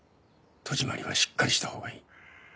戸締まりはしっかりしたほうがいい。